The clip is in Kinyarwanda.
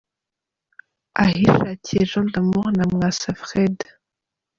Ahishakiye Jean d’Amour na Mwasa Fred.